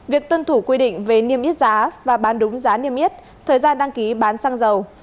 việc tuân thủ quy định về niêm yết giá và bán đúng giá niêm yết thời gian đăng ký bán sang dầu